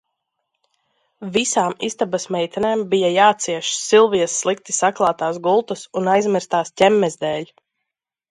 Visām istabas meitenēm bija jācieš Silvijas slikti saklātās gultas un aizmirstās ķemmes dēļ.